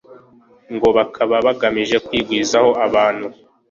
ngo bakaba bagamije kwigwizaho abantu